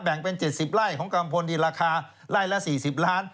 แบ่งเป็น๗๐ล้ายของกำพลราคาล่ายละ๔๐ล้านบาท